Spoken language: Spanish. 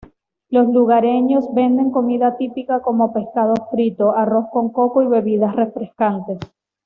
Los lugareños venden comida típica como pescado frito, arroz con coco y bebidas refrescantes.